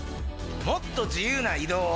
もっと自由な移動を。